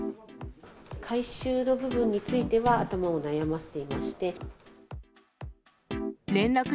回収の部分については、頭を悩ませていまして。